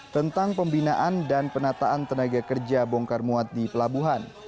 tentang pembinaan dan penataan tenaga kerja bongkar muat di pelabuhan